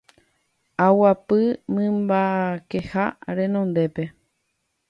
Oguapy mymbakeha renondépe